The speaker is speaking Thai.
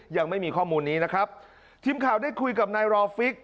ยังไม่มีข้อมูลนี้นะครับทีมข่าวได้คุยกับนายรอฟิก